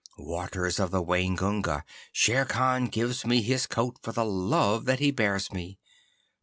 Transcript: Waters of the Waingunga, Shere Khan gives me his coat for the love that he bears me.